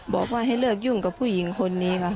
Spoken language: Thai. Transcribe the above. บอกว่าให้เลิกยุ่งกับผู้หญิงคนนี้ค่ะ